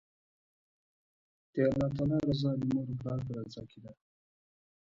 د الله تعالی رضا، د مور او پلار په رضا کی ده